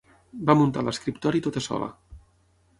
Va muntar l'escriptori tota sola.